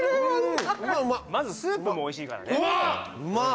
まずスープもおいしいからね・うまっ！